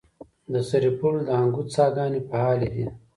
د سرپل د انګوت څاګانې فعالې دي؟